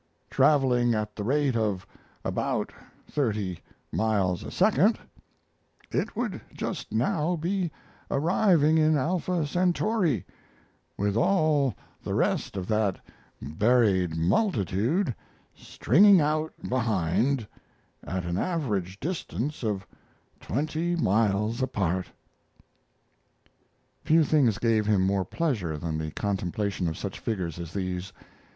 Traveling at the rate of about thirty miles a second, it would just now be arriving in Alpha Centauri with all the rest of that buried multitude stringing out behind at an average distance of twenty miles apart. Few things gave him more pleasure than the contemplation of such figures as these.